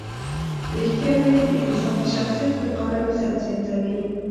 ریښتیا ویل د انسان د شخصیت وقار او عزت زیاتوي.